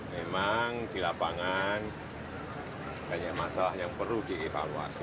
memang di lapangan banyak masalah yang perlu dievaluasi